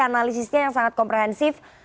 analisisnya yang sangat komprehensif